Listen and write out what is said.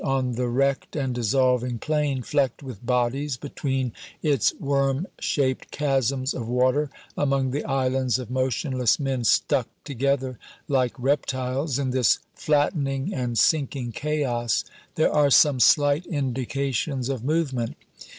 On the wrecked and dissolving plain, flecked with bodies between its worm shaped chasms of water, among the islands of motionless men stuck together like reptiles, in this flattening and sinking chaos there are some slight indications of movement.